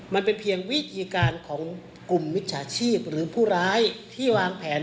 มันเป็นเพียงวิธีการของกลุ่มมิจฉาชีพหรือผู้ร้ายที่วางแผน